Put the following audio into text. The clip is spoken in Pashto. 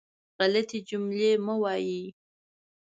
غلطې جملې مه وایئ.